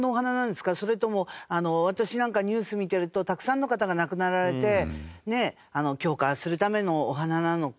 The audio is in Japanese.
それとも私なんかニュース見てるとたくさんの方が亡くなられて供花するためのお花なのか。